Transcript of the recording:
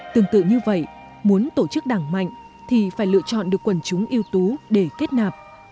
tương tự như vậy muốn tổ chức đảng mạnh thì phải lựa chọn được quần chúng yếu tố để kết nạp